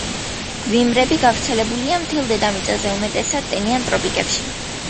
გვიმრები გავრცელებულია მთელ დედამიწაზე, უმეტესად ტენიან ტროპიკებში.